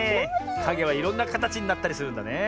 かげはいろんなかたちになったりするんだね。